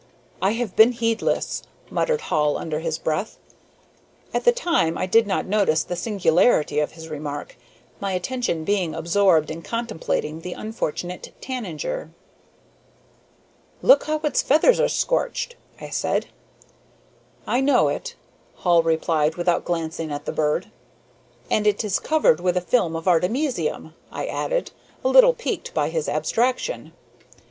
"I have been heedless," muttered Hall under his breath. At the time I did not notice the singularity of his remark, my attention being absorbed in contemplating the unfortunate tanager. "Look how its feathers are scorched," I said. "I know it," Hall replied, without glancing at the bird. "And it is covered with a film of artemisium," I added, a little piqued by his abstraction.